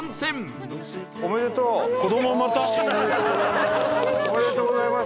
おめでとうございます。